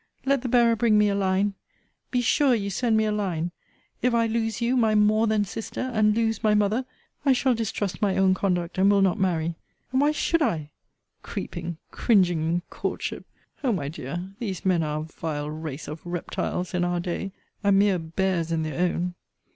Let the bearer bring me a line. Be sure you send me a line. If I lose you, my more than sister, and lose my mother, I shall distrust my own conduct, and will not marry. And why should I? Creeping, cringing in courtship! O my dear, these men are a vile race of reptiles in our day, and mere bears in their own.